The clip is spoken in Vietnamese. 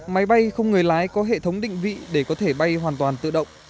máy bay không người lái có hệ thống định vị để có thể bay hoàn toàn tự động